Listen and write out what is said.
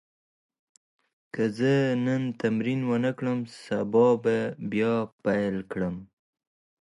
که زه نن تمرین ونه کړم، سبا به بیا پیل کړم.